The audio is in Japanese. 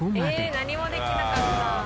ええ何もできなかった。